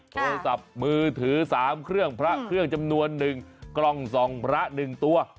โทรศัพท์มือถือ๓เครื่องพระเครื่องจำนวน๑กล้องส่องพระ๑ตัว